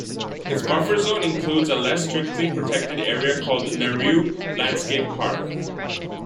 Its buffer zone includes a less strictly protected area called Narew Landscape Park.